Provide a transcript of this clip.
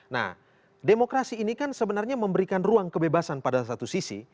nah demokrasi ini kan sebenarnya memberikan ruang kebebasan pada satu sisi